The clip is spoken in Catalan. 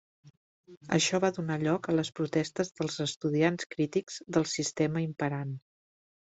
Això va donar lloc a les protestes dels estudiants crítics del sistema imperant.